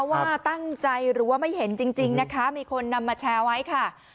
ว่าตั้งใจหรือว่าไม่เห็นจริงนะคะมีคนนำมาแชร์ไว้ค่ะ